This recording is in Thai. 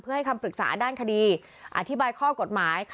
ให้คำปรึกษาด้านคดีอธิบายข้อกฎหมาย